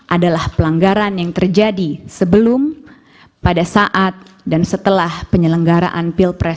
adalah pelanggaran yang terjadi sebelum pada saat dan setelah penyelenggaraan pilpres dua ribu dua puluh empat